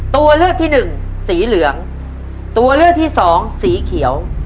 ตัวเลือกที่หนึ่งสีเหลืองตัวเลือกที่สองสีเขียว